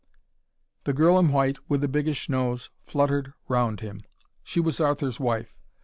The girl in white, with the biggish nose, fluttered round him. She was Arthur's wife.